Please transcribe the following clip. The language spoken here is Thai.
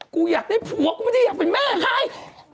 กูอยากได้ผัวกูไม่ได้อยากเป็นแม่ให้